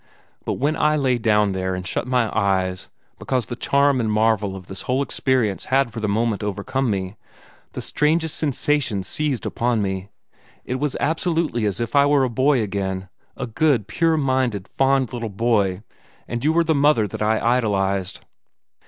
But when I lay down there, and shut my eyes because the charm and marvel of this whole experience had for the moment overcome me the strangest sensation seized upon me. It was absolutely as if I were a boy again, a good, pure minded, fond little child, and you were the mother that I idolized."